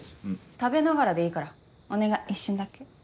食べながらでいいからお願い一瞬だけ。